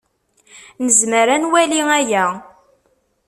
Nezmer ad nwali aya.